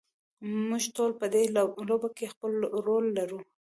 موږ ټول په دې لوبه کې خپل رول لرو.